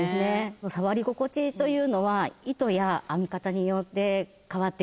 触り心地というのは糸や編み方によって変わってくるんです。